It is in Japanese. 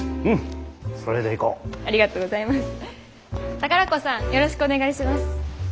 宝子さんよろしくお願いします。